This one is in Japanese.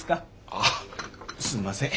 あっすんません。